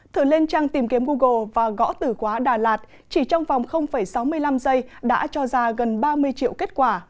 thử lên trang tìm kiếm google và gõ từ khóa đà lạt chỉ trong vòng sáu mươi năm giây đã cho ra gần ba mươi triệu kết quả